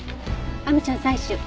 亜美ちゃん採取。